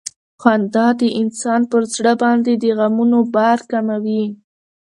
خندا د انسان پر زړه باندې د غمونو بار کموي.